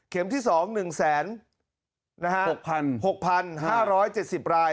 เข็มที่สองหนึ่งแสนนะฮะหกพันหกพันห้าร้อยเจ็ดสิบราย